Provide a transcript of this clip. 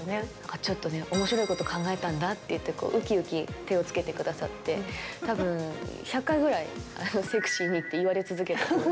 ちょっとね、おもしろいこと考えたんだって言ってうきうき手をつけてくださって、たぶん、１００回くらいセクシーにって言われ続けた。